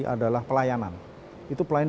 adalah pelayanan itu pelayanan